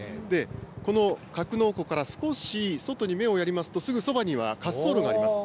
この格納庫から少し外に目をやりますと、すぐそばには滑走路があります。